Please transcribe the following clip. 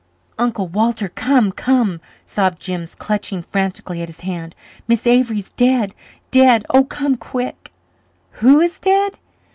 "Uncle Walter come come," sobbed Jims, clutching frantically at his hand. "Miss Avery's dead dead oh, come quick." "Who is dead?"